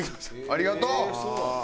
ありがとう！